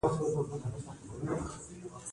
د واورې پاکولو ماشینري شته؟